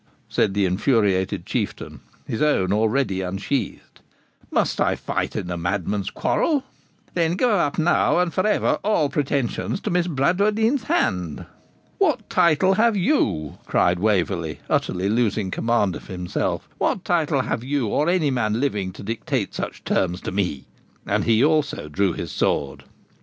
said the infuriated Chieftain, his own already unsheathed. 'Must I fight in a madman's quarrel?' 'Then give up now, and forever, all pretensions to Miss Bradwardine's hand.' 'What title have you,' cried Waverley, utterly losing command of himself 'what title have you, or any man living, to dictate such terms to me?' And he also drew his sword.